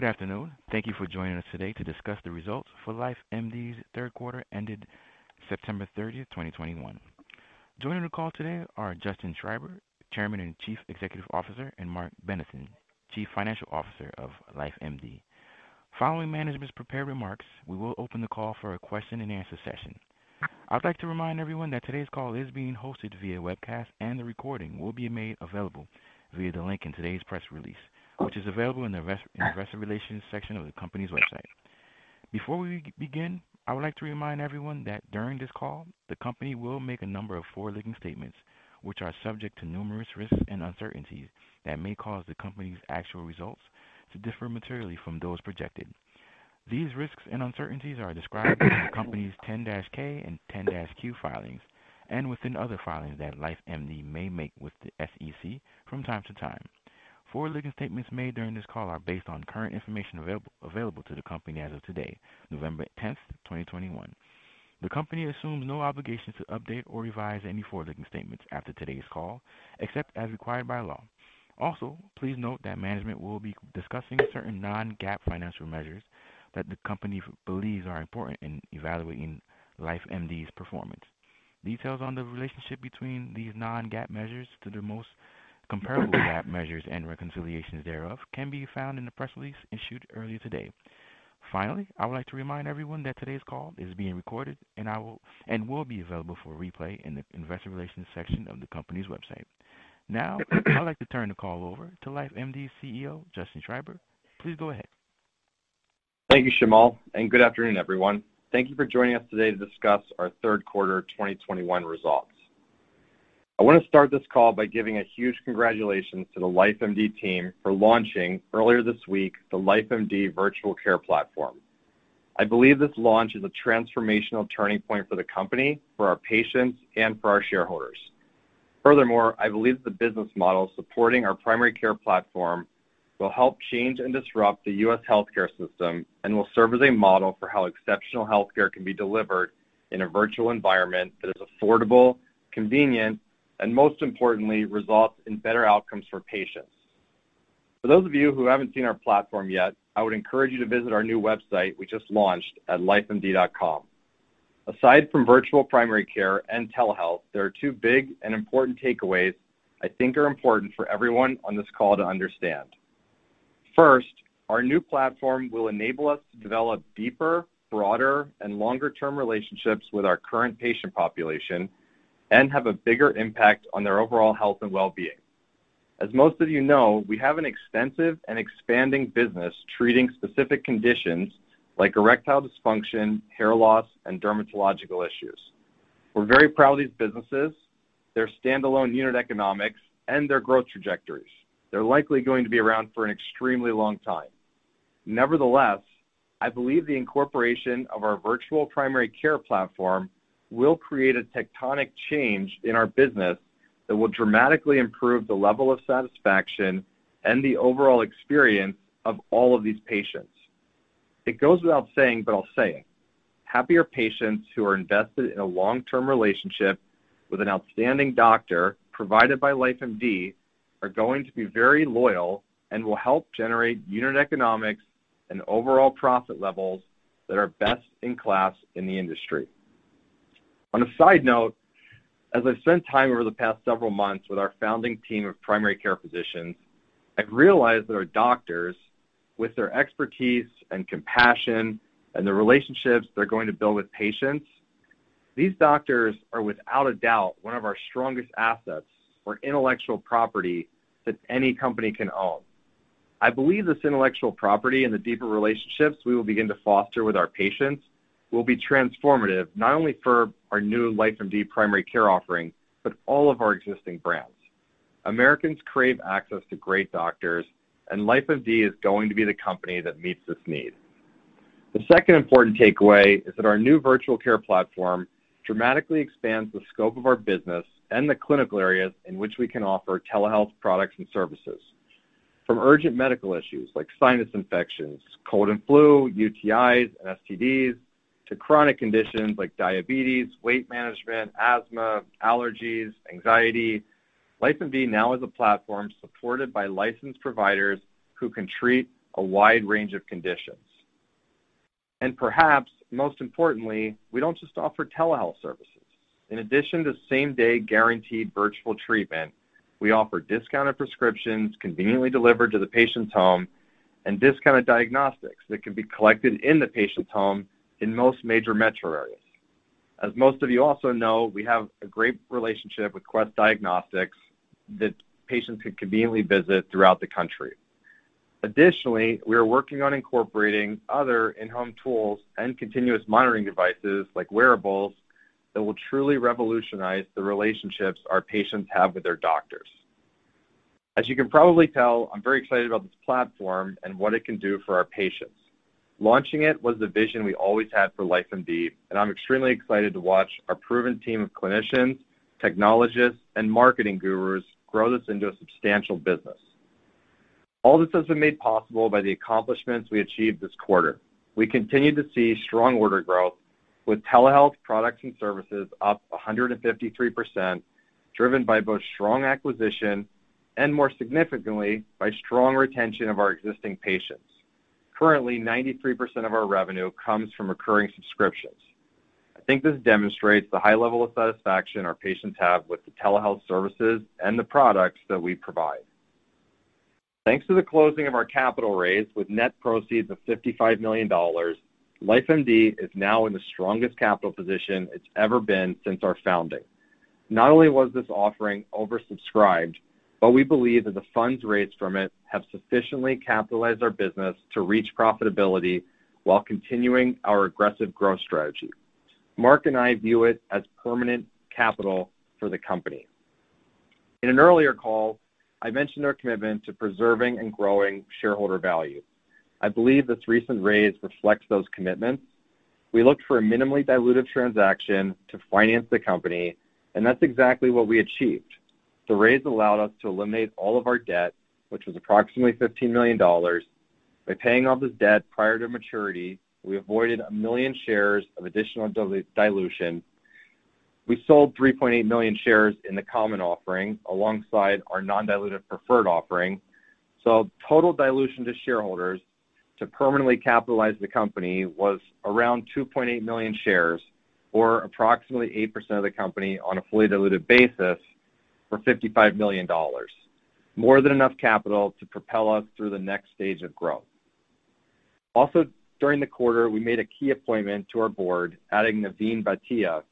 Good afternoon. Thank you for joining us today to discuss the results for LifeMD's third quarter ended September 30, 2021. Joining the call today are Justin Schreiber, Chairman and Chief Executive Officer, and Marc Benathen, Chief Financial Officer of LifeMD. Following management's prepared remarks, we will open the call for a question-and-answer session. I'd like to remind everyone that today's call is being hosted via webcast, and the recording will be made available via the link in today's press release, which is available in the investor relations section of the company's website. Before we begin, I would like to remind everyone that during this call, the company will make a number of forward-looking statements, which are subject to numerous risks and uncertainties that may cause the company's actual results to differ materially from those projected. These risks and uncertainties are described in the company's 10-K and 10-Q filings, and within other filings that LifeMD may make with the SEC from time to time. Forward-looking statements made during this call are based on current information available to the company as of today, November 10, 2021. The company assumes no obligation to update or revise any forward-looking statements after today's call, except as required by law. Also, please note that management will be discussing certain non-GAAP financial measures that the company believes are important in evaluating LifeMD's performance. Details on the relationship between these non-GAAP measures to their most comparable GAAP measures and reconciliations thereof can be found in the press release issued earlier today. Finally, I would like to remind everyone that today's call is being recorded and will be available for replay in the investor relations section of the company's website. Now, I'd like to turn the call over to LifeMD's CEO, Justin Schreiber. Please go ahead. Thank you, Shamal, and good afternoon, everyone. Thank you for joining us today to discuss our third quarter 2021 results. I wanna start this call by giving a huge congratulations to the LifeMD team for launching earlier this week the LifeMD virtual care platform. I believe this launch is a transformational turning point for the company, for our patients, and for our shareholders. Furthermore, I believe the business model supporting our primary care platform will help change and disrupt the U.S. healthcare system and will serve as a model for how exceptional healthcare can be delivered in a virtual environment that is affordable, convenient, and most importantly, results in better outcomes for patients. For those of you who haven't seen our platform yet, I would encourage you to visit our new website we just launched at lifemd.com. Aside from virtual primary care and telehealth, there are two big and important takeaways I think are important for everyone on this call to understand. First, our new platform will enable us to develop deeper, broader, and longer-term relationships with our current patient population and have a bigger impact on their overall health and wellbeing. As most of you know, we have an extensive and expanding business treating specific conditions like erectile dysfunction, hair loss, and dermatological issues. We're very proud of these businesses, their standalone unit economics, and their growth trajectories. They're likely going to be around for an extremely long time. Nevertheless, I believe the incorporation of our virtual primary care platform will create a tectonic change in our business that will dramatically improve the level of satisfaction and the overall experience of all of these patients. It goes without saying, but I'll say it. Happier patients who are invested in a long-term relationship with an outstanding doctor provided by LifeMD are going to be very loyal and will help generate unit economics and overall profit levels that are best in class in the industry. On a side note, as I've spent time over the past several months with our founding team of primary care physicians, I've realized that our doctors, with their expertise and compassion and the relationships they're going to build with patients, these doctors are without a doubt one of our strongest assets or intellectual property that any company can own. I believe this intellectual property and the deeper relationships we will begin to foster with our patients will be transformative not only for our new LifeMD primary care offering, but all of our existing brands. Americans crave access to great doctors, and LifeMD is going to be the company that meets this need. The second important takeaway is that our new virtual care platform dramatically expands the scope of our business and the clinical areas in which we can offer telehealth products and services. From urgent medical issues like sinus infections, cold and flu, UTIs, and STDs, to chronic conditions like diabetes, weight management, asthma, allergies, anxiety, LifeMD now is a platform supported by licensed providers who can treat a wide range of conditions. Perhaps most importantly, we don't just offer telehealth services. In addition to same-day guaranteed virtual treatment, we offer discounted prescriptions conveniently delivered to the patient's home and discounted diagnostics that can be collected in the patient's home in most major metro areas. As most of you also know, we have a great relationship with Quest Diagnostics that patients can conveniently visit throughout the country. Additionally, we are working on incorporating other in-home tools and continuous monitoring devices like wearables that will truly revolutionize the relationships our patients have with their doctors. As you can probably tell, I'm very excited about this platform and what it can do for our patients. Launching it was the vision we always had for LifeMD, and I'm extremely excited to watch our proven team of clinicians, technologists, and marketing gurus grow this into a substantial business. All this has been made possible by the accomplishments we achieved this quarter. We continued to see strong order growth with telehealth products and services up 153%, driven by both strong acquisition and more significantly, by strong retention of our existing patients. Currently, 93% of our revenue comes from recurring subscriptions. I think this demonstrates the high level of satisfaction our patients have with the telehealth services and the products that we provide. Thanks to the closing of our capital raise with net proceeds of $55 million, LifeMD is now in the strongest capital position it's ever been since our founding. Not only was this offering oversubscribed, but we believe that the funds raised from it have sufficiently capitalized our business to reach profitability while continuing our aggressive growth strategy. Mark and I view it as permanent capital for the company. In an earlier call, I mentioned our commitment to preserving and growing shareholder value. I believe this recent raise reflects those commitments. We looked for a minimally dilutive transaction to finance the company, and that's exactly what we achieved. The raise allowed us to eliminate all of our debt, which was approximately $15 million. By paying off this debt prior to maturity, we avoided 1 million shares of additional dilution. We sold 3.8 million shares in the common offering alongside our non-dilutive preferred offering. Total dilution to shareholders to permanently capitalize the company was around 2.8 million shares, or approximately 8% of the company on a fully diluted basis for $55 million. More than enough capital to propel us through the next stage of growth. Also, during the quarter, we made a key appointment to our board, adding Naveen Bhatia.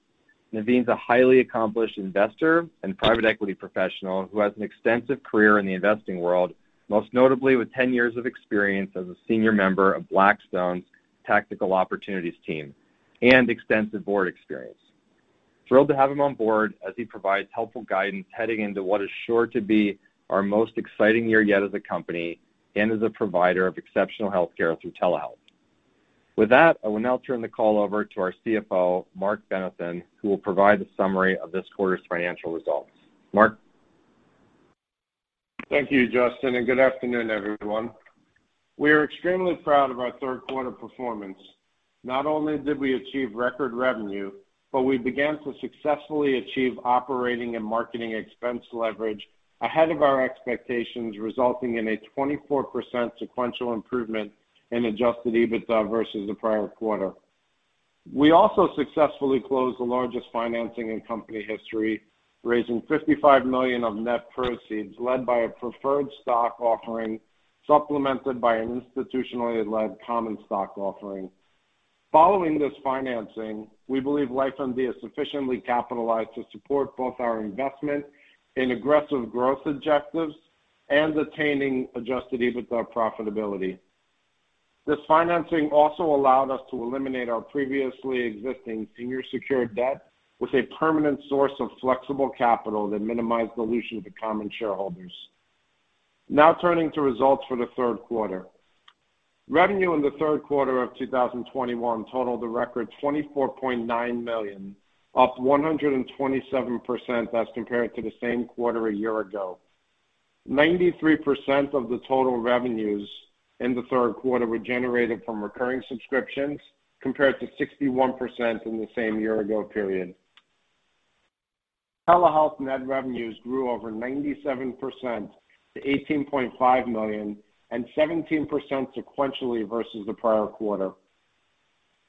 Naveen is a highly accomplished investor and private equity professional who has an extensive career in the investing world, most notably with 10 years of experience as a senior member of Blackstone's Tactical Opportunities team and extensive board experience. Thrilled to have him on board as he provides helpful guidance heading into what is sure to be our most exciting year yet as a company and as a provider of exceptional healthcare through telehealth. With that, I will now turn the call over to our CFO, Marc Benathen, who will provide the summary of this quarter's financial results. Marc. Thank you, Justin, and good afternoon, everyone. We are extremely proud of our third quarter performance. Not only did we achieve record revenue, but we began to successfully achieve operating and marketing expense leverage ahead of our expectations, resulting in a 24% sequential improvement in Adjusted EBITDA versus the prior quarter. We also successfully closed the largest financing in company history, raising $55 million of net proceeds led by a preferred stock offering, supplemented by an institutionally led common stock offering. Following this financing, we believe LifeMD is sufficiently capitalized to support both our investment in aggressive growth objectives and attaining Adjusted EBITDA profitability. This financing also allowed us to eliminate our previously existing senior secured debt with a permanent source of flexible capital that minimized dilution to common shareholders. Now turning to results for the third quarter. Revenue in the third quarter of 2021 totaled a record $24.9 million, up 127% as compared to the same quarter a year ago. 93% of the total revenues in the third quarter were generated from recurring subscriptions, compared to 61% in the same year ago period. Telehealth net revenues grew over 97% to $18.5 million and 17% sequentially versus the prior quarter.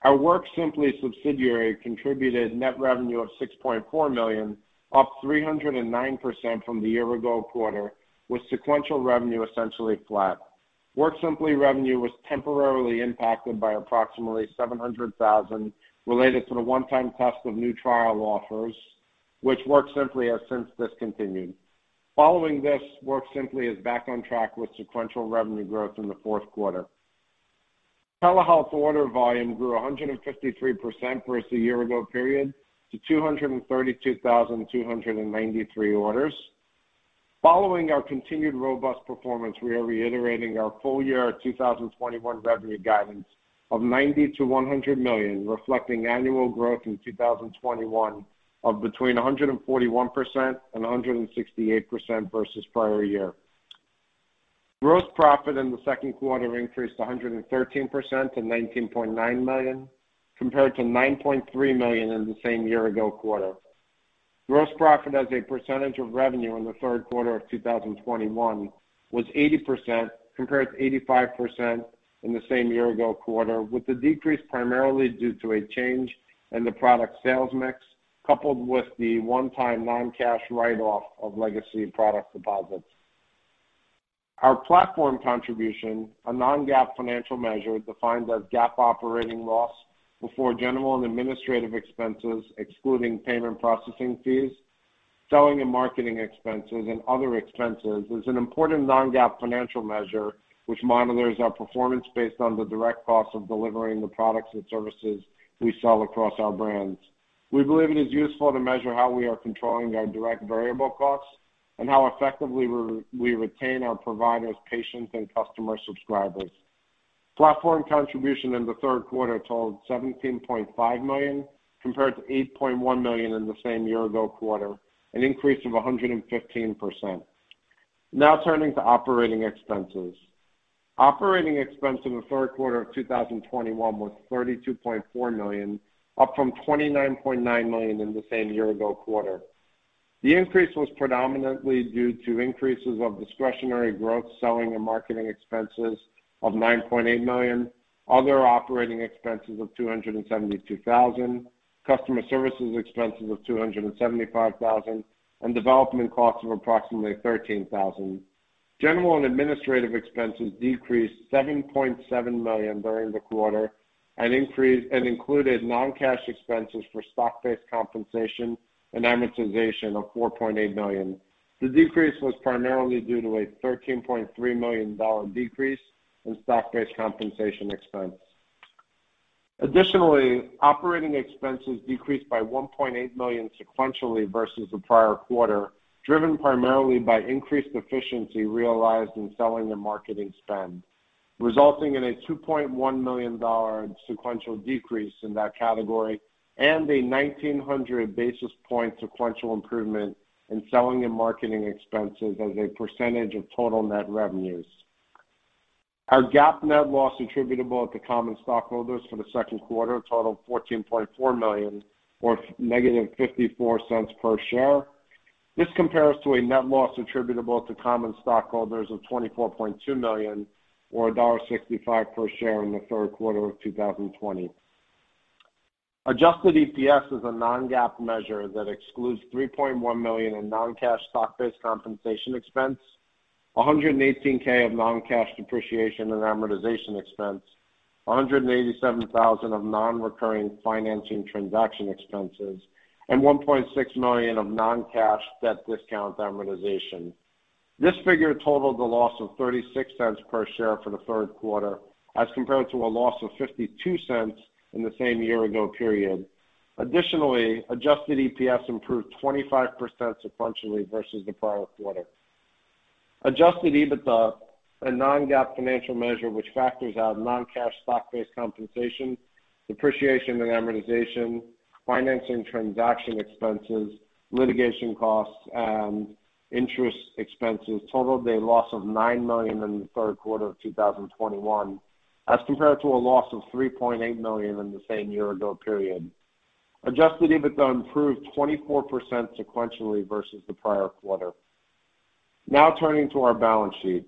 Our WorkSimpli subsidiary contributed net revenue of $6.4 million, up 309% from the year ago quarter, with sequential revenue essentially flat. WorkSimpli revenue was temporarily impacted by approximately $700,000 related to the one-time cost of new trial offers, which WorkSimpli has since discontinued. Following this, WorkSimpli is back on track with sequential revenue growth in the fourth quarter. Telehealth order volume grew 153% versus a year ago period to 232,293 orders. Following our continued robust performance, we are reiterating our full year 2021 revenue guidance of $90 million-$100 million, reflecting annual growth in 2021 of between 141% and 168% versus prior year. Gross profit in the second quarter increased 113% to $19.9 million, compared to $9.3 million in the same year ago quarter. Gross profit as a percentage of revenue in the third quarter of 2021 was 80%, compared to 85% in the same year ago quarter, with the decrease primarily due to a change in the product sales mix, coupled with the one-time non-cash write-off of legacy product deposits. Our platform contribution, a non-GAAP financial measure defined as GAAP operating loss before general and administrative expenses, excluding payment processing fees, selling and marketing expenses, and other expenses, is an important non-GAAP financial measure which monitors our performance based on the direct cost of delivering the products and services we sell across our brands. We believe it is useful to measure how we are controlling our direct variable costs and how effectively we retain our providers, patients, and customer subscribers. Platform Contribution in the third quarter totaled $17.5 million, compared to $8.1 million in the same year-ago quarter, an increase of 115%. Now turning to operating expenses. Operating expense in the third quarter of 2021 was $32.4 million, up from $29.9 million in the same year-ago quarter. The increase was predominantly due to increases in discretionary growth, selling and marketing expenses of $9.8 million, other operating expenses of $272,000, customer services expenses of $275,000, and development costs of approximately $13,000. General and administrative expenses decreased $7.7 million during the quarter and included non-cash expenses for stock-based compensation and amortization of $4.8 million. The decrease was primarily due to a $13.3 million decrease in stock-based compensation expense. Additionally, operating expenses decreased by $1.8 million sequentially versus the prior quarter, driven primarily by increased efficiency realized in selling and marketing spend, resulting in a $2.1 million sequential decrease in that category and a 1,900 basis point sequential improvement in selling and marketing expenses as a percentage of total net revenues. Our GAAP net loss attributable to common stockholders for the second quarter totaled $14.4 million, or -$0.54 per share. This compares to a net loss attributable to common stockholders of $24.2 million or $1.65 per share in the third quarter of 2020. Adjusted EPS is a non-GAAP measure that excludes $3.1 million in non-cash stock-based compensation expense, $118,000 of non-cash depreciation and amortization expense, $187,000 of non-recurring financing transaction expenses, and $1.6 million of non-cash debt discount amortization. This figure totaled a loss of $0.36 per share for the third quarter as compared to a loss of $0.52 in the same year-ago period. Additionally, adjusted EPS improved 25% sequentially versus the prior quarter. Adjusted EBITDA, a non-GAAP financial measure which factors out non-cash stock-based compensation, depreciation and amortization, financing transaction expenses, litigation costs, and interest expenses totaled a loss of $9 million in the third quarter of 2021, as compared to a loss of $3.8 million in the same year-ago period. Adjusted EBITDA improved 24% sequentially versus the prior quarter. Now turning to our balance sheet.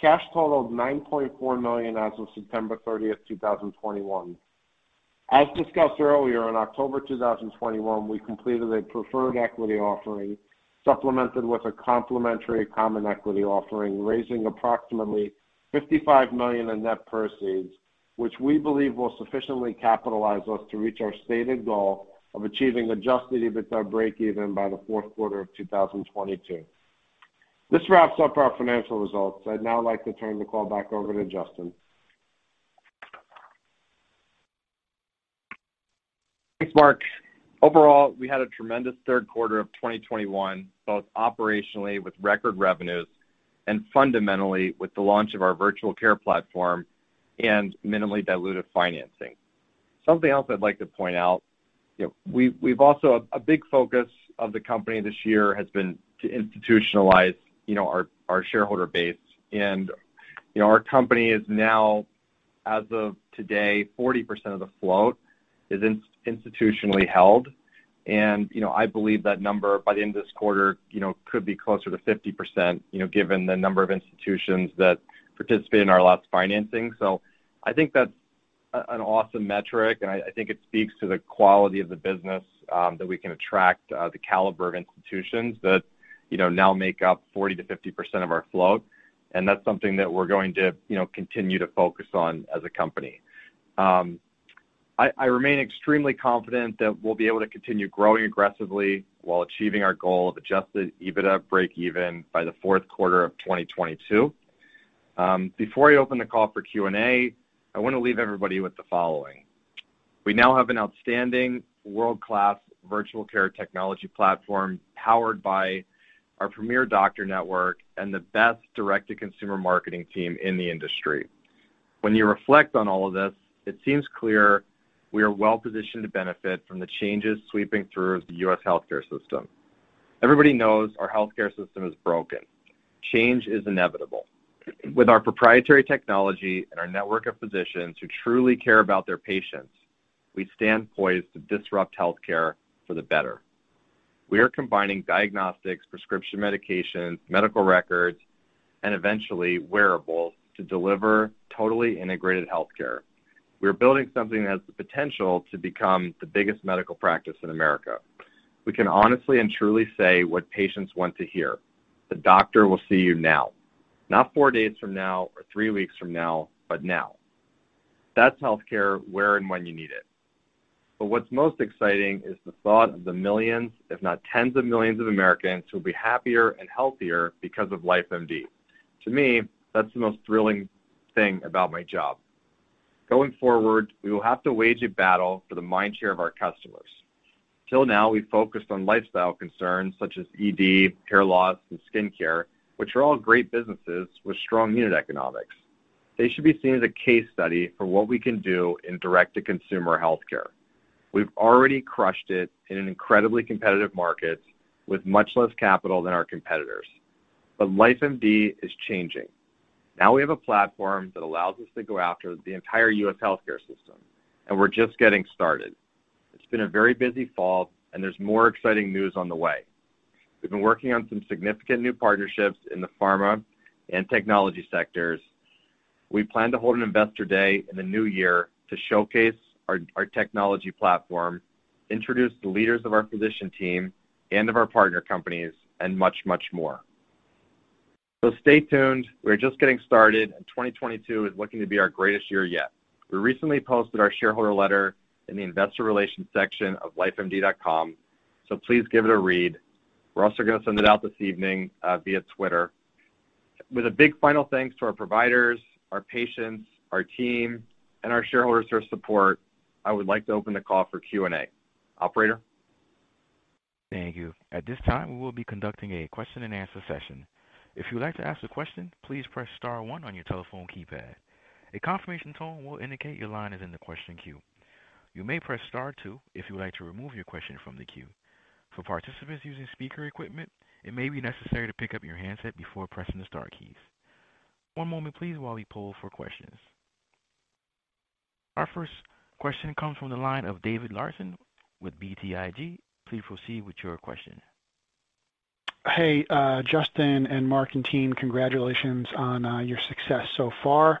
Cash totaled $9.4 million as of September 30, 2021. As discussed earlier, in October 2021, we completed a preferred equity offering supplemented with a complementary common equity offering, raising approximately $55 million in net proceeds, which we believe will sufficiently capitalize us to reach our stated goal of achieving Adjusted EBITDA breakeven by the fourth quarter of 2022. This wraps up our financial results. I'd now like to turn the call back over to Justin. Thanks, Marc. Overall, we had a tremendous third quarter of 2021, both operationally with record revenues and fundamentally with the launch of our virtual care platform and minimally dilutive financing. Something else I'd like to point out, you know, we've also. A big focus of the company this year has been to institutionalize, you know, our shareholder base. You know, our company is now, as of today, 40% of the float is institutionally held. You know, I believe that number by the end of this quarter, you know, could be closer to 50%, you know, given the number of institutions that participated in our last financing. I think that's an awesome metric, and I think it speaks to the quality of the business, that we can attract, the caliber of institutions that, you know, now make up 40%-50% of our float. That's something that we're going to, you know, continue to focus on as a company. I remain extremely confident that we'll be able to continue growing aggressively while achieving our goal of Adjusted EBITDA breakeven by the fourth quarter of 2022. Before I open the call for Q&A, I want to leave everybody with the following. We now have an outstanding world-class virtual care technology platform powered by our premier doctor network and the best direct-to-consumer marketing team in the industry. When you reflect on all of this, it seems clear we are well-positioned to benefit from the changes sweeping through the U.S. healthcare system. Everybody knows our healthcare system is broken. Change is inevitable. With our proprietary technology and our network of physicians who truly care about their patients, we stand poised to disrupt healthcare for the better. We are combining diagnostics, prescription medications, medical records, and eventually wearables to deliver totally integrated healthcare. We are building something that has the potential to become the biggest medical practice in America. We can honestly and truly say what patients want to hear. The doctor will see you now. Not four days from now or three weeks from now, but now. That's healthcare where and when you need it. What's most exciting is the thought of the millions, if not tens of millions of Americans who will be happier and healthier because of LifeMD. To me, that's the most thrilling thing about my job. Going forward, we will have to wage a battle for the mind share of our customers. Till now, we've focused on lifestyle concerns such as ED, hair loss, and skin care, which are all great businesses with strong unit economics. They should be seen as a case study for what we can do in direct-to-consumer healthcare. We've already crushed it in an incredibly competitive market with much less capital than our competitors. LifeMD is changing. Now we have a platform that allows us to go after the entire U.S. healthcare system, and we're just getting started. It's been a very busy fall, and there's more exciting news on the way. We've been working on some significant new partnerships in the pharma and technology sectors. We plan to hold an investor day in the new year to showcase our technology platform, introduce the leaders of our physician team and of our partner companies, and much, much more. Stay tuned. We're just getting started, and 2022 is looking to be our greatest year yet. We recently posted our shareholder letter in the investor relations section of lifemd.com, so please give it a read. We're also going to send it out this evening via Twitter. With a big final thanks to our providers, our patients, our team, and our shareholders for their support, I would like to open the call for Q&A. Operator? Thank you. At this time, we will be conducting a question-and-answer session. If you would like to ask a question, please press star one on your telephone keypad. A confirmation tone will indicate your line is in the question queue. You may press star two if you would like to remove your question from the queue. For participants using speaker equipment, it may be necessary to pick up your handset before pressing the star keys. One moment please while we poll for questions. Our first question comes from the line of David Larsen with BTIG. Please proceed with your question. Hey, Justin and Mark and team. Congratulations on your success so far.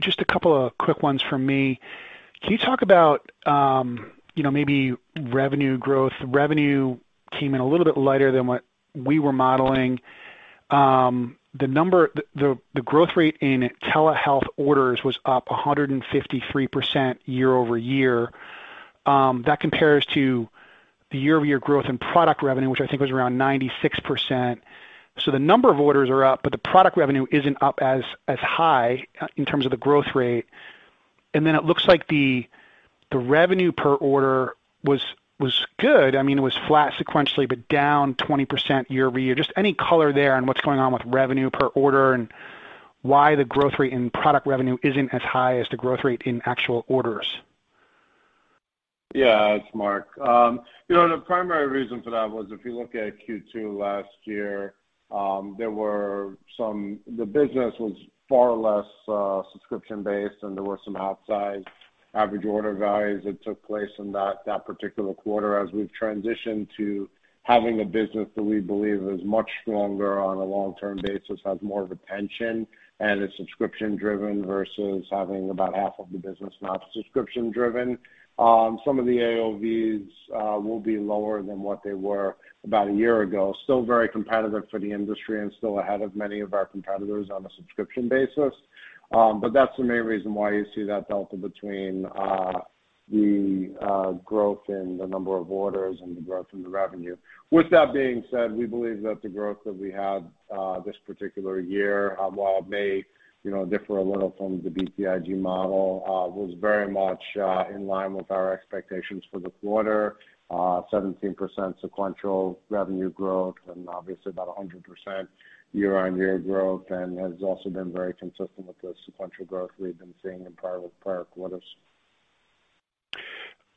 Just a couple of quick ones from me. Can you talk about, you know, maybe revenue growth? Revenue came in a little bit lighter than what we were modeling. The growth rate in telehealth orders was up 153% year-over-year. That compares to the year-over-year growth in product revenue, which I think was around 96%. The number of orders are up, but the product revenue isn't up as high in terms of the growth rate. Then it looks like the revenue per order was good. I mean, it was flat sequentially, but down 20% year-over-year. Just any color there on what's going on with revenue per order and why the growth rate in product revenue isn't as high as the growth rate in actual orders? Yeah. It's Marc. You know, the primary reason for that was if you look at Q2 last year, the business was far less subscription-based, and there were some outsized average order values that took place in that particular quarter. As we've transitioned to having a business that we believe is much stronger on a long-term basis, has more of a retention, and is subscription driven versus having about half of the business not subscription driven, some of the AOVs will be lower than what they were about a year ago. Still very competitive for the industry and still ahead of many of our competitors on a subscription basis. That's the main reason why you see that delta between the growth in the number of orders and the growth in the revenue. With that being said, we believe that the growth that we had this particular year, while it may, you know, differ a little from the BTIG model, was very much in line with our expectations for the quarter. 17% sequential revenue growth and obviously about 100% year-on-year growth, and has also been very consistent with the sequential growth we've been seeing in prior quarters.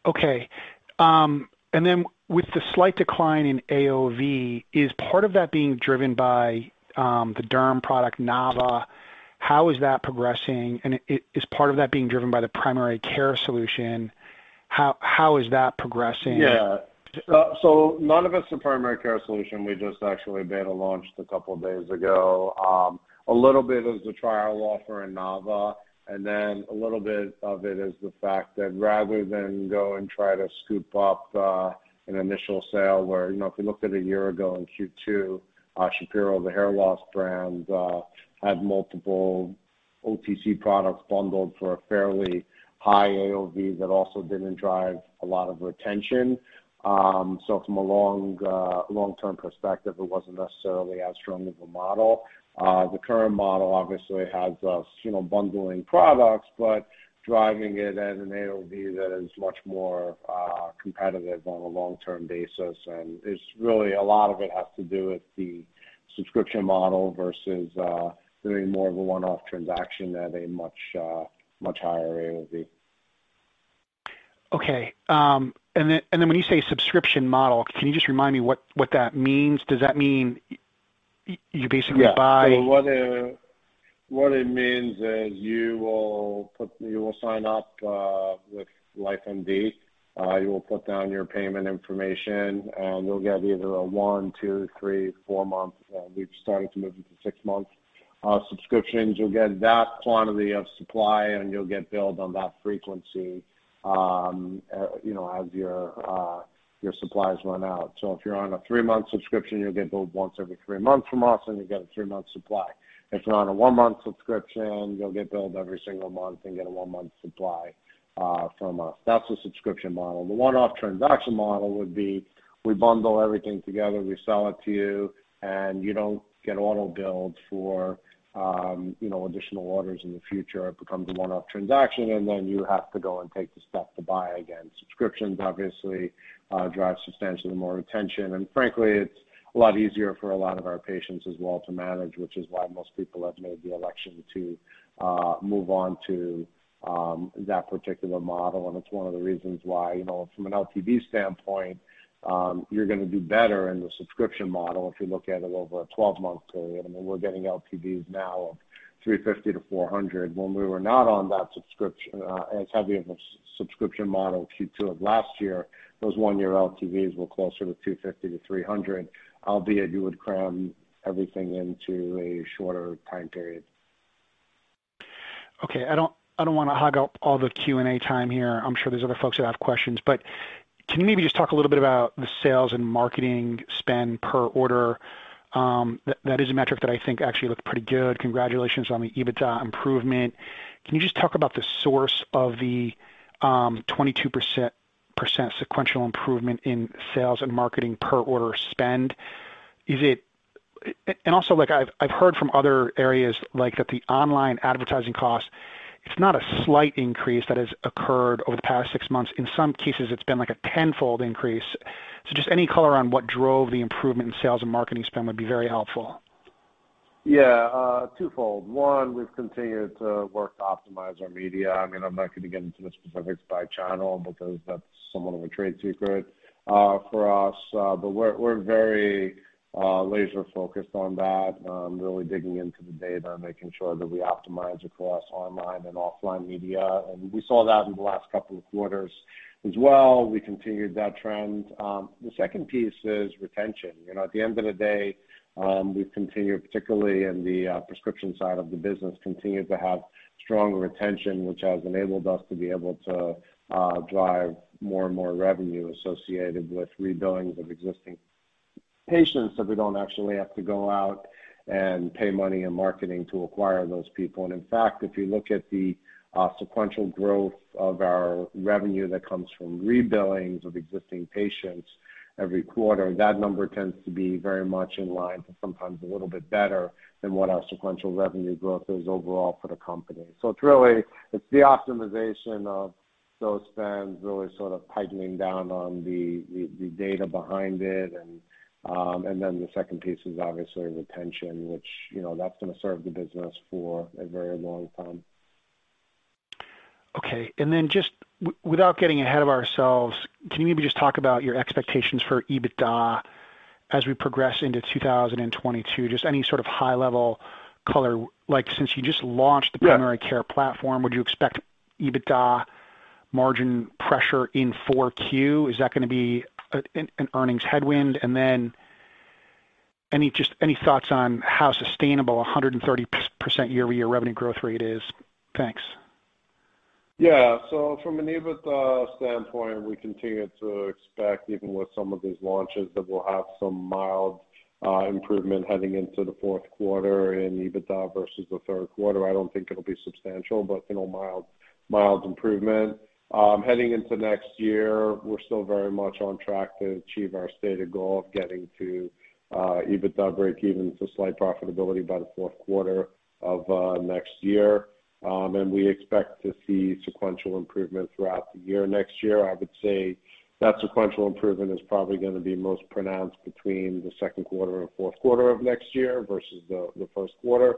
Okay. With the slight decline in AOV, is part of that being driven by the derm product, Nava? How is that progressing? Is part of that being driven by the primary care solution? How is that progressing? Yeah. None of it's the primary care solution. We just actually beta launched a couple of days ago. A little bit of the trial offer in Nava, and then a little bit of it is the fact that rather than go and try to scoop up an initial sale where, you know, if you look at a year ago in Q2, Shapiro, the hair loss brand, had multiple OTC products bundled for a fairly high AOV that also didn't drive a lot of retention. From a long-term perspective, it wasn't necessarily as strong of a model. The current model obviously has us, you know, bundling products, but driving it at an AOV that is much more competitive on a long-term basis. It's really a lot of it has to do with the subscription model versus doing more of a one-off transaction at a much higher AOV. When you say subscription model, can you just remind me what that means? Does that mean you basically buy- Yeah. What it means is you will sign up with LifeMD. You will put down your payment information, and you'll get either a one, two, three, four month, we've started to move into six month subscriptions. You'll get that quantity of supply, and you'll get billed on that frequency, you know, as your supplies run out. If you're on a three month subscription, you'll get billed once every three months from us, and you get a three month supply. If you're on a one month subscription, you'll get billed every single month and get a one month supply from us. That's the subscription model. The one-off transaction model would be, we bundle everything together, we sell it to you, and you don't get auto-billed for, you know, additional orders in the future. It becomes a one-off transaction, and then you have to go and take the step to buy again. Subscriptions obviously drive substantially more retention. Frankly, it's a lot easier for a lot of our patients as well to manage, which is why most people have made the election to move on to that particular model. It's one of the reasons why, you know, from an LTV standpoint, you're gonna do better in the subscription model if you look at it over a 12-month period. I mean, we're getting LTVs now of $350-$400. When we were not on that as heavy of a subscription model Q2 of last year, those one year LTVs were closer to $250-$300, albeit you would cram everything into a shorter time period. Okay. I don't wanna hog up all the Q&A time here. I'm sure there's other folks that have questions, but can you maybe just talk a little bit about the sales and marketing spend per order? That is a metric that I think actually looked pretty good. Congratulations on the EBITDA improvement. Can you just talk about the source of the 22% sequential improvement in sales and marketing per order spend? And also, like I've heard from other areas like that the online advertising cost, it's not a slight increase that has occurred over the past six months. In some cases, it's been like a tenfold increase. So just any color on what drove the improvement in sales and marketing spend would be very helpful. Yeah, twofold. One, we've continued to work to optimize our media. I mean, I'm not gonna get into the specifics by channel because that's somewhat of a trade secret for us. But we're very laser-focused on that, really digging into the data and making sure that we optimize across online and offline media. We saw that in the last couple of quarters as well. We continued that trend. The second piece is retention. You know, at the end of the day, we've continued, particularly in the prescription side of the business, continued to have strong retention, which has enabled us to be able to drive more and more revenue associated with rebillings of existing patients, so we don't actually have to go out and pay money in marketing to acquire those people. In fact, if you look at the sequential growth of our revenue that comes from rebillings of existing patients every quarter, that number tends to be very much in line to sometimes a little bit better than what our sequential revenue growth is overall for the company. It's really the optimization of those spends, really sort of tightening down on the data behind it. The second piece is obviously retention, which, you know, that's gonna serve the business for a very long time. Okay. Then just without getting ahead of ourselves, can you maybe just talk about your expectations for EBITDA as we progress into 2022? Just any sort of high level color. Like, since you just launched. Yeah. On the primary care platform, would you expect EBITDA margin pressure in Q4? Is that gonna be an earnings headwind? Then any, just any thoughts on how sustainable a 130% year-over-year revenue growth rate is? Thanks. From an EBITDA standpoint, we continue to expect even with some of these launches that we'll have some mild improvement heading into the fourth quarter in EBITDA versus the third quarter. I don't think it'll be substantial, but mild improvement. Heading into next year, we're still very much on track to achieve our stated goal of getting to EBITDA breakeven to slight profitability by the fourth quarter of next year. We expect to see sequential improvement throughout the year next year. I would say that sequential improvement is probably gonna be most pronounced between the second quarter and fourth quarter of next year versus the first quarter.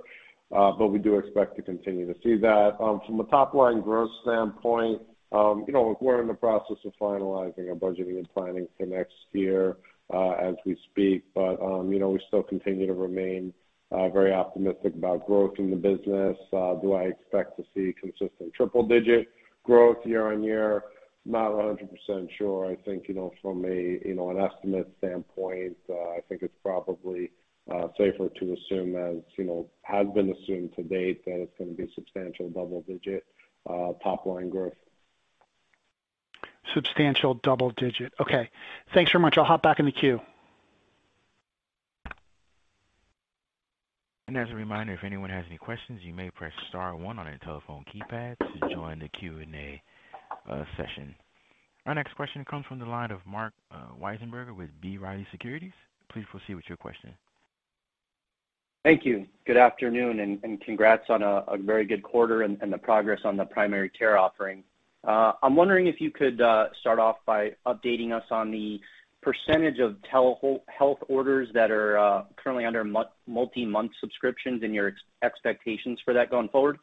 We do expect to continue to see that. From a top-line growth standpoint, you know, we're in the process of finalizing our budgeting and planning for next year, as we speak, but, you know, we still continue to remain very optimistic about growth in the business. Do I expect to see consistent triple-digit growth year-on-year? Not 100% sure. I think, you know, from a, you know, an estimate standpoint, I think it's probably safer to assume, as, you know, has been assumed to date, that it's gonna be substantial double-digit top-line growth. Substantial double digit. Okay. Thanks very much. I'll hop back in the queue. As a reminder, if anyone has any questions, you may press star one on your telephone keypad to join the Q&A session. Our next question comes from the line of Marc Wiesenberger with B. Riley Securities. Please proceed with your question. Thank you. Good afternoon, congrats on a very good quarter and the progress on the primary care offering. I'm wondering if you could start off by updating us on the percentage of telehealth orders that are currently under multi-month subscriptions and your expectations for that going forward.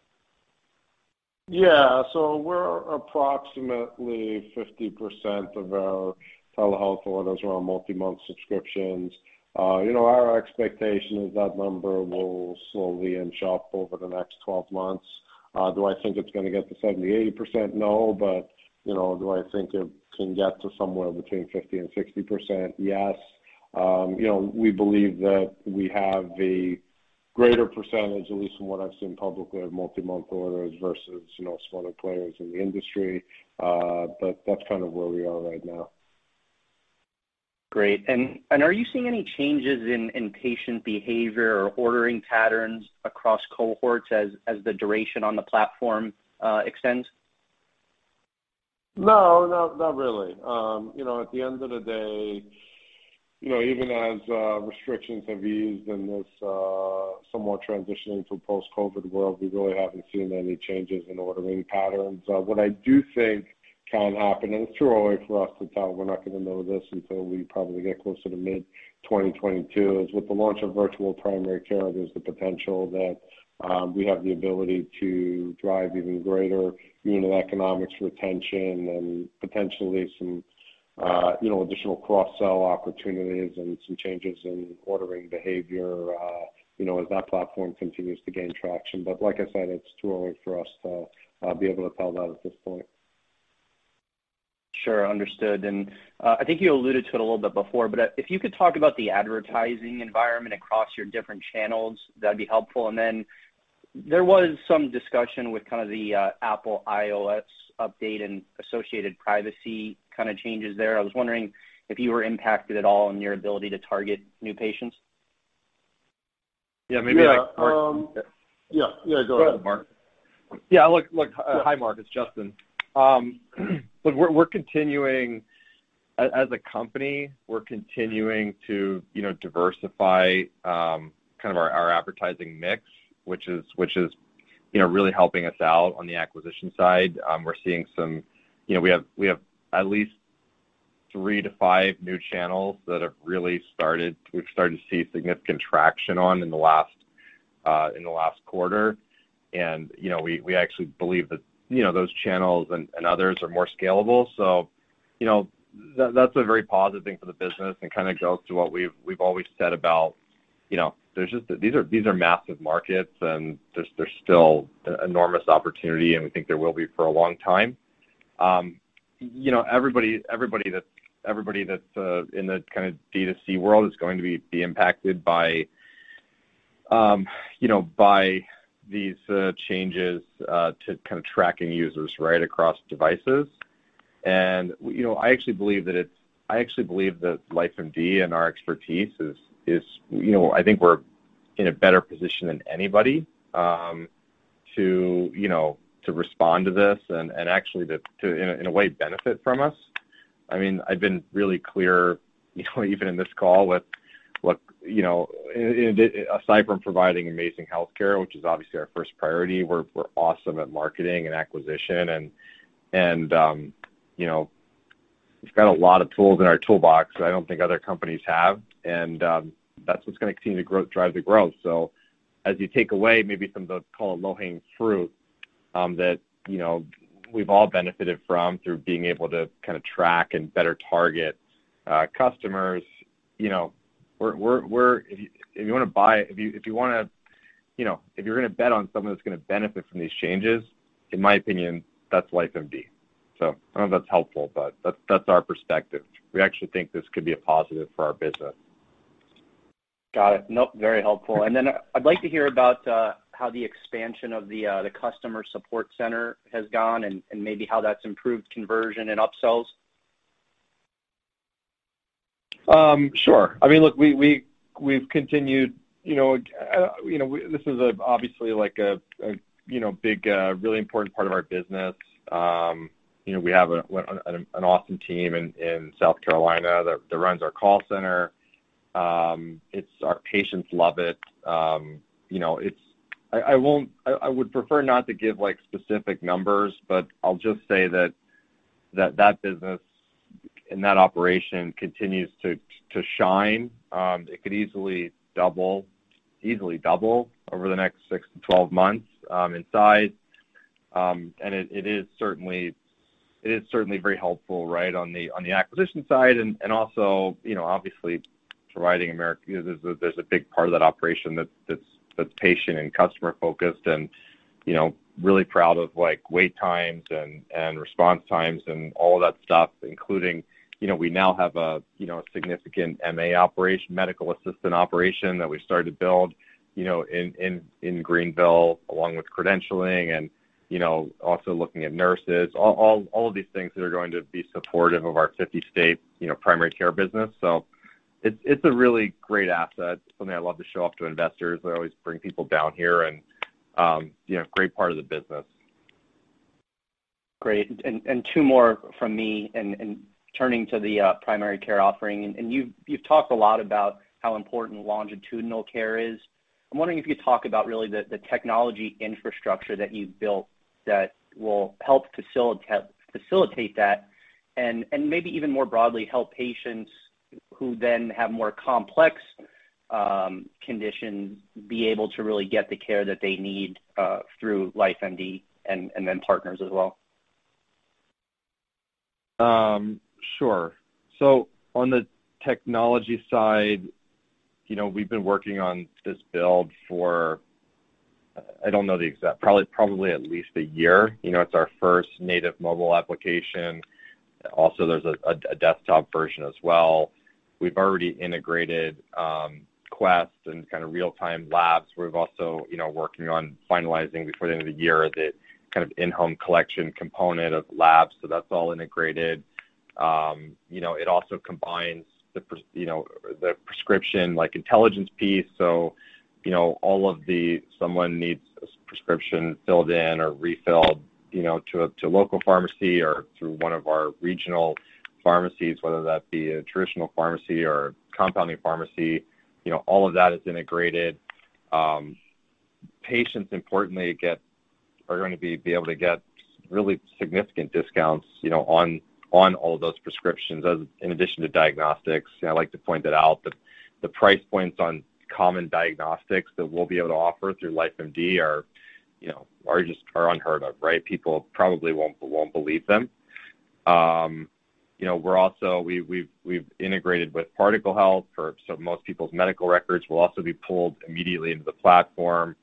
Yeah. We're approximately 50% of our telehealth orders are on multi-month subscriptions. You know, our expectation is that number will slowly inch up over the next 12 months. Do I think it's gonna get to 70%-80%? No. You know, do I think it can get to somewhere between 50% and 60%? Yes. You know, we believe that we have a greater percentage, at least from what I've seen publicly, of multi-month orders versus, you know, smaller players in the industry. That's kind of where we are right now. Great. Are you seeing any changes in patient behavior or ordering patterns across cohorts as the duration on the platform extends? No, not really. You know, at the end of the day, you know, even as restrictions have eased and this somewhat transitioning to a post-COVID world, we really haven't seen any changes in ordering patterns. What I do think can happen, and it's too early for us to tell, we're not gonna know this until we probably get closer to mid-2022, is with the launch of virtual primary care, there's the potential that we have the ability to drive even greater unit economics retention and potentially some, you know, additional cross-sell opportunities and some changes in ordering behavior, you know, as that platform continues to gain traction. Like I said, it's too early for us to be able to tell that at this point. Sure. Understood. I think you alluded to it a little bit before, but if you could talk about the advertising environment across your different channels, that'd be helpful. Then there was some discussion with kind of the Apple iOS update and associated privacy kind of changes there. I was wondering if you were impacted at all in your ability to target new patients. Yeah. Go ahead, Mark. Look, hi, Mark, it's Justin. Look, we're continuing to diversify our advertising mix, which is really helping us out on the acquisition side. We're seeing some. You know, we have at least three to five new channels that we've started to see significant traction on in the last quarter. You know, we actually believe that those channels and others are more scalable. You know, that's a very positive thing for the business and kinda goes to what we've always said about, you know, there's just. These are massive markets, and there's still enormous opportunity, and we think there will be for a long time. You know, everybody that's in the kinda D2C world is going to be impacted by you know by these changes to kind of tracking users, right, across devices. I actually believe that LifeMD and our expertise is. You know, I think we're in a better position than anybody to you know to respond to this and actually to in a way benefit from us. I mean, I've been really clear you know even in this call with what you know. Aside from providing amazing healthcare, which is obviously our first priority, we're awesome at marketing and acquisition and, you know, we've got a lot of tools in our toolbox that I don't think other companies have, and that's what's gonna continue to drive the growth. As you take away maybe some of the, call it low-hanging fruit, that you know, we've all benefited from through being able to kinda track and better target customers, you know, if you're gonna bet on someone that's gonna benefit from these changes, in my opinion, that's LifeMD. I don't know if that's helpful, but that's our perspective. We actually think this could be a positive for our business. Got it. Nope, very helpful. Then I'd like to hear about how the expansion of the customer support center has gone and maybe how that's improved conversion and upsells. Sure. I mean, look, we've continued, you know, this is obviously like a big really important part of our business. You know, we have an awesome team in South Carolina that runs our call center. Our patients love it. You know, I would prefer not to give like specific numbers, but I'll just say that business and that operation continues to shine. It could easily double over the next six to 12 months in size. It is certainly very helpful, right, on the acquisition side and also, you know, obviously there's a big part of that operation that's patient and customer-focused and, you know, really proud of like wait times and response times and all of that stuff, including, you know, we now have a, you know, a significant MA operation, medical assistant operation that we started to build, you know, in Greenville along with credentialing and, you know, also looking at nurses. All of these things that are going to be supportive of our 50 state, you know, primary care business. It's a really great asset. It's something I love to show off to investors. I always bring people down here and, you know, great part of the business. Great. Two more from me, turning to the primary care offering. You've talked a lot about how important longitudinal care is. I'm wondering if you could talk about the technology infrastructure that you've built that will help facilitate that and maybe even more broadly help patients who then have more complex conditions be able to really get the care that they need through LifeMD and then partners as well. On the technology side, you know, we've been working on this build for, I don't know, probably at least a year. You know, it's our first native mobile application. Also there's a desktop version as well. We've already integrated Quest and kind of real-time labs. We're also, you know, working on finalizing before the end of the year the kind of in-home collection component of labs, so that's all integrated. You know, it also combines the prescription like intelligence piece. You know, all of that someone needs a prescription filled in or refilled, you know, to a local pharmacy or through one of our regional pharmacies, whether that be a traditional pharmacy or compounding pharmacy, you know, all of that is integrated. Patients importantly are gonna be able to get really significant discounts, you know, on all of those prescriptions as in addition to diagnostics. You know, I like to point that out, that the price points on common diagnostics that we'll be able to offer through LifeMD are, you know, just unheard of, right? People probably won't believe them. You know, we're also we have integrated with Particle Health. So most people's medical records will also be pulled immediately into the platform.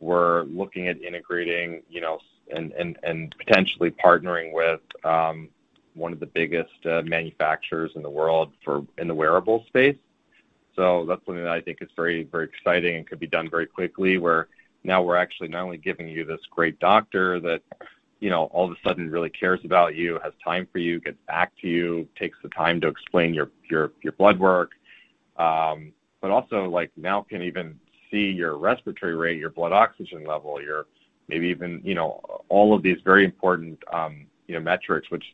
We're looking at integrating, you know, so and potentially partnering with one of the biggest manufacturers in the world for in the wearables space. That's something that I think is very, very exciting and could be done very quickly, where now we're actually not only giving you this great doctor that, you know, all of a sudden really cares about you, has time for you, gets back to you, takes the time to explain your blood work, but also like now can even see your respiratory rate, your blood oxygen level, your maybe even, you know, all of these very important, you know, metrics, which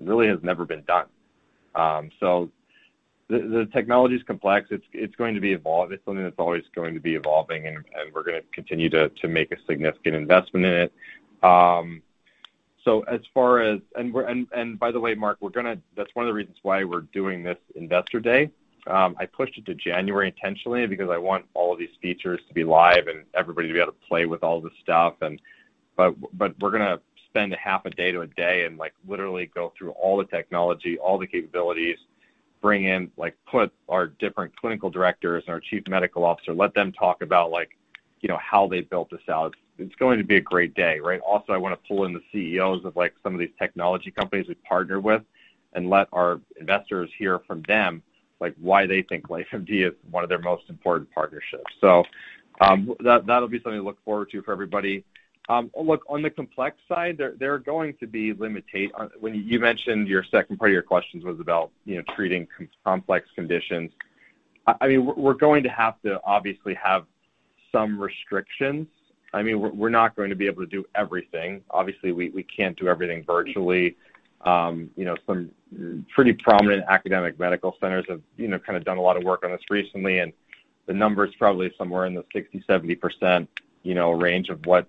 really has never been done. The technology is complex. It's something that's always going to be evolving, and we're gonna continue to make a significant investment in it. As far as... By the way, Mark, that's one of the reasons why we're doing this investor day. I pushed it to January intentionally because I want all of these features to be live and everybody to be able to play with all this stuff. We're gonna spend a half a day to a day and, like, literally go through all the technology, all the capabilities, bring in, like, put our different clinical directors and our chief medical officer, let them talk about, like, you know, how they built this out. It's going to be a great day, right? Also, I wanna pull in the CEOs of, like, some of these technology companies we partner with and let our investors hear from them, like, why they think LifeMD is one of their most important partnerships. That'll be something to look forward to for everybody. Look, on the complex side, when you mentioned your second part of your questions was about, you know, treating complex conditions. I mean, we're going to have to obviously have some restrictions. I mean, we're not going to be able to do everything. Obviously, we can't do everything virtually. You know, some pretty prominent academic medical centers have, you know, kinda done a lot of work on this recently, and the number is probably somewhere in the 60%-70% range of what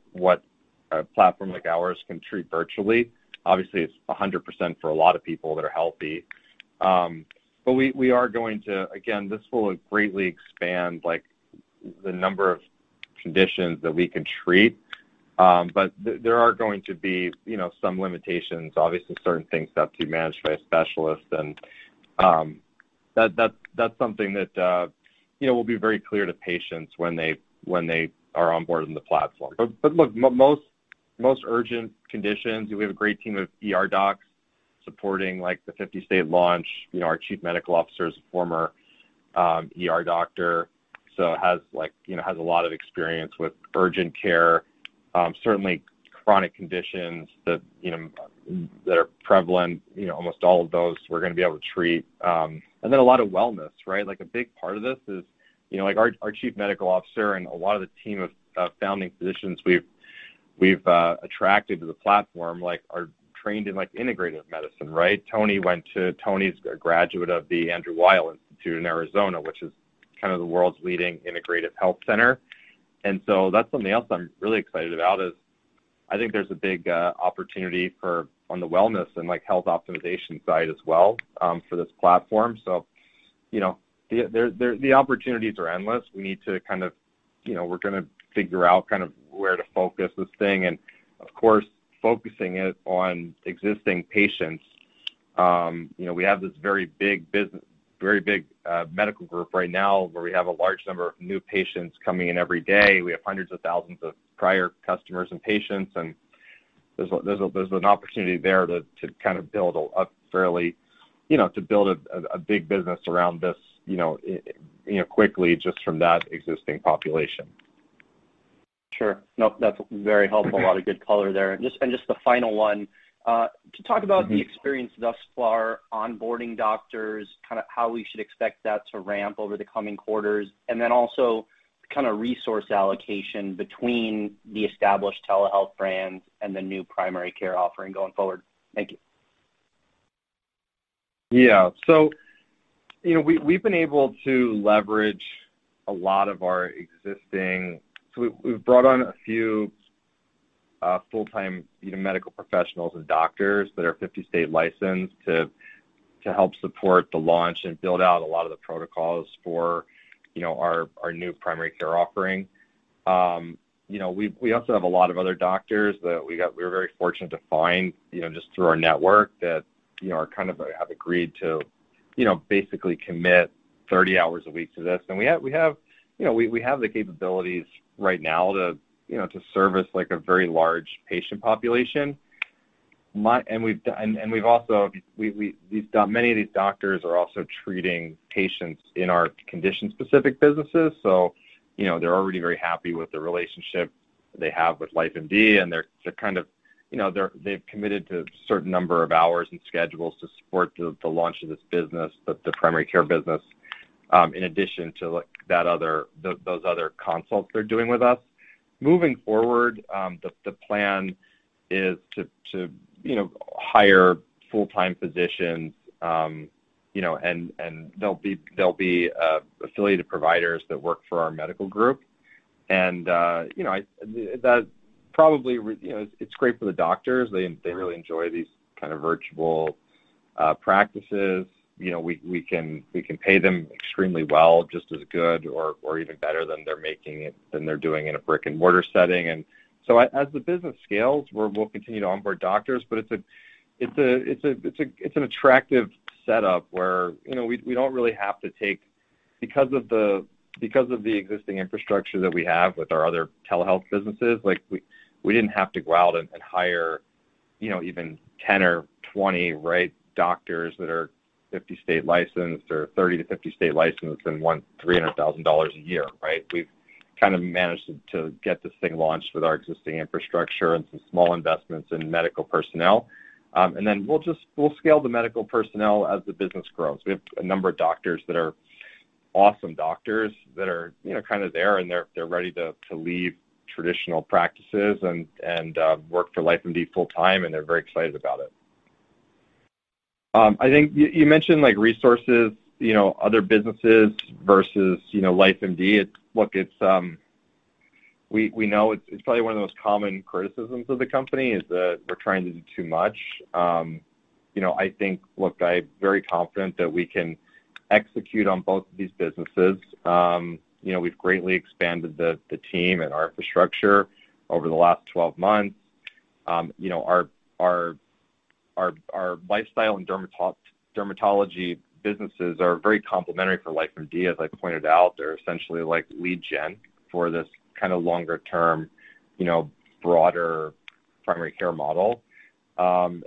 a platform like ours can treat virtually. Obviously, it's 100% for a lot of people that are healthy. We are going to. Again, this will greatly expand, like, the number of conditions that we can treat, but there are going to be, you know, some limitations. Obviously, certain things have to be managed by a specialist, and that's something that, you know, will be very clear to patients when they are onboarding the platform. Look, most urgent conditions, we have a great team of ER docs supporting, like, the 50-state launch. You know, our chief medical officer is a former ER doctor, so has, like, you know, a lot of experience with urgent care. Certainly chronic conditions that are prevalent, you know, almost all of those we're gonna be able to treat. Then a lot of wellness, right? Like, a big part of this is, you know, like our chief medical officer and a lot of the team of founding physicians we've attracted to the platform, like, are trained in, like, integrative medicine, right? Tony's a graduate of the Andrew Weil Center for Integrative Medicine in Arizona, which is kind of the world's leading integrative health center. That's something else I'm really excited about, is I think there's a big opportunity for on the wellness and, like, health optimization side as well, for this platform. The opportunities are endless. We need to kind of. You know, we're gonna figure out kind of where to focus this thing and, of course, focusing it on existing patients. You know, we have this very big medical group right now where we have a large number of new patients coming in every day. We have hundreds of thousands of prior customers and patients, and there's an opportunity there to kind of build a fairly big business around this, you know, quickly just from that existing population. Sure. No, that's very helpful. Mm-hmm. A lot of good color there. Just the final one, could you talk about the experience thus far onboarding doctors, kinda how we should expect that to ramp over the coming quarters, and then also kinda resource allocation between the established telehealth brands and the new primary care offering going forward? Thank you. We've brought on a few full-time, you know, medical professionals and doctors that are 50-state licensed to help support the launch and build out a lot of the protocols for, you know, our new primary care offering. You know, we also have a lot of other doctors that we were very fortunate to find, you know, just through our network that, you know, have agreed to, you know, basically commit 30 hours a week to this. We have the capabilities right now to, you know, service, like, a very large patient population. Many of these doctors are also treating patients in our condition-specific businesses. So, you know, they're already very happy with the relationship they have with LifeMD, and they're kind of, you know, they've committed to a certain number of hours and schedules to support the launch of this business, the primary care business, in addition to, like, those other consults they're doing with us. Moving forward, the plan is to, you know, hire full-time physicians, you know, and they'll be affiliated providers that work for our medical group. You know, it's great for the doctors. They really enjoy these kind of virtual practices. You know, we can pay them extremely well, just as good or even better than they're doing in a brick-and-mortar setting. As the business scales, we'll continue to onboard doctors. It's an attractive setup where, you know, we don't really have to because of the existing infrastructure that we have with our other telehealth businesses, like, we didn't have to go out and hire. You know, even 10 or 20, right, doctors that are 50 state licensed or 30 to 50 state licensed and earn $300,000 a year, right? We've kind of managed to get this thing launched with our existing infrastructure and some small investments in medical personnel. We'll scale the medical personnel as the business grows. We have a number of doctors that are awesome doctors that are, you know, kind of there, and they're ready to leave traditional practices and work for LifeMD full-time, and they're very excited about it. I think you mentioned like resources, you know, other businesses versus, you know, LifeMD. Look, we know it's probably one of the most common criticisms of the company is that we're trying to do too much. You know, I think. Look, I'm very confident that we can execute on both of these businesses. You know, we've greatly expanded the team and our infrastructure over the last 12 months. You know, our lifestyle and dermatology businesses are very complementary for LifeMD. As I pointed out, they're essentially like lead gen for this kind of longer term, you know, broader primary care model. I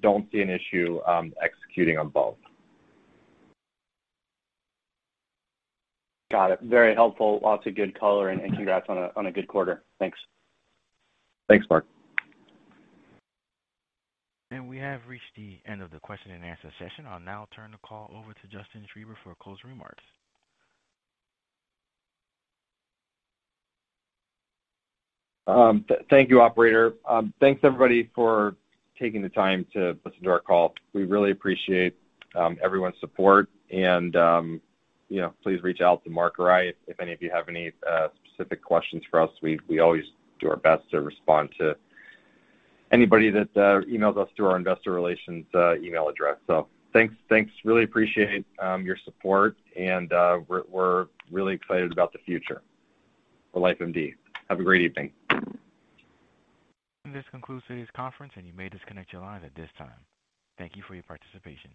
don't see an issue executing on both. Got it. Very helpful. Lots of good color, and congrats on a good quarter. Thanks. Thanks, Marc. We have reached the end of the question and answer session. I'll now turn the call over to Justin Schreiber for closing remarks. Thank you, operator. Thanks everybody for taking the time to listen to our call. We really appreciate everyone's support and, you know, please reach out to Marc or I if any of you have any specific questions for us. We always do our best to respond to anybody that emails us through our investor relations email address. Thanks. Really appreciate your support and, we're really excited about the future for LifeMD. Have a great evening. This concludes today's conference, and you may disconnect your line at this time. Thank you for your participation.